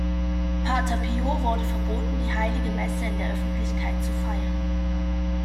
Pater Pio wurde verboten, die Heilige Messe in der Öffentlichkeit zu feiern.